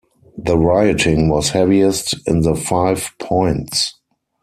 The rioting was heaviest in the Five Points.